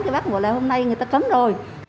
cái bác bảo là hôm nay người ta cấm rồi